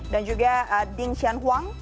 dan juga ding xian huang